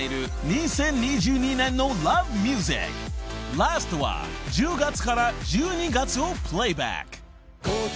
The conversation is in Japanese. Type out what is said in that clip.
［ラストは１０月から１２月をプレーバック］